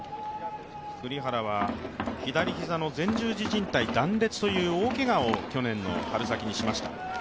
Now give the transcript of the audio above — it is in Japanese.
栗原は左膝の前十字じん帯断裂という大けがを去年の春先にしました。